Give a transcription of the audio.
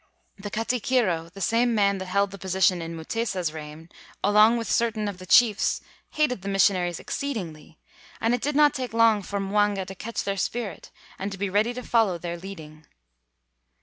The kati kiro, the same man that held the position in Mutesa's reign, along with certain of the chiefs hated the missionaries exceedingly, and it did not take long for Mwanga to catch their spirit and to be ready to follow their leading.